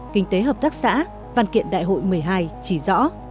kinh tế hợp tác xã văn kiện đại hội một mươi hai chỉ rõ